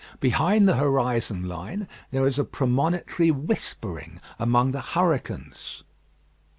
Behind the horizon line there is a premonitory whispering among the hurricanes.